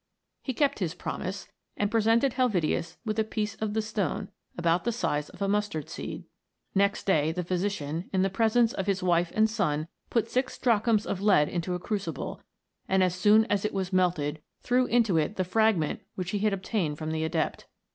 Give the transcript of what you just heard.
He kept his promise, and presented Helvetius with a piece of the stone about the size of a mustard seed. Next day the physician, in the presence of his wife and son, put six drachms of lead into a crucible, and as soon as it was melted, threw into it the fragment which he had obtained from the adept.